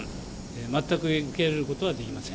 全く受け入れることはできません。